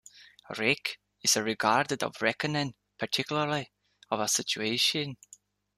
"Reck" is a regard or reckoning, particularly of a situation.